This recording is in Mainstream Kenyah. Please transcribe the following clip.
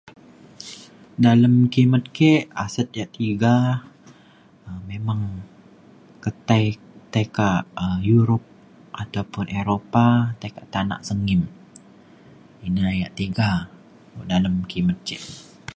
dalem kimet ke asen yak tiga um memang ke tai tai kak Europe atau pa Eropah tai kak tanak sengim. ina yak tiga dalem kimet ce